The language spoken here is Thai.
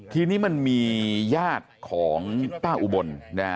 ทีนี้มันมีญาติของป้าอุบล